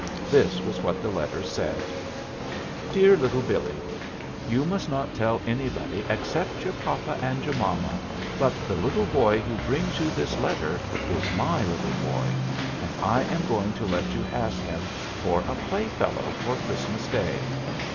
This was what the letter said: DEAR LITTLE BILLEE: You must not tell anybody except your papa and your mama, but the little boy who brings you this letter is my little boy, and I am going to let you have him for a playfellow for Christmas Day.